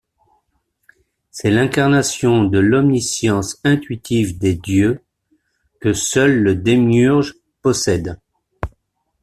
C'est l'incarnation de l'omniscience intuitive des dieux, que seul le démiurge possède.